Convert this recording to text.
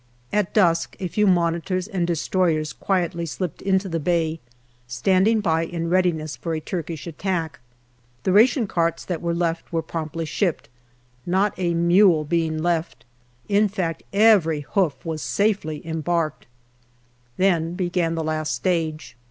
At dusk a few Monitors and destroyers quietly slipped into the Bay, standing by in readiness for a Turkish attack. The ration carts that were left were promptly shipped, not a mule being left in fact, every hoof was safely embarked. Then began the last stage.